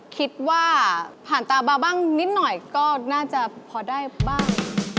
คิดว่าผ่านตาบาบ้างนิดหน่อยก็น่าจะพอได้บ้าง